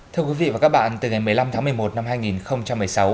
thưa quý vị và các bạn từ ngày một mươi năm tháng một mươi một năm hai nghìn một mươi sáu